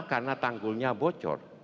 karena tanggulnya bocor